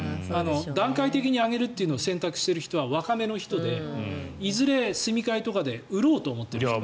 段階的に上げるというのを選択している人は若い人でいずれ住み替えにしようとしている人。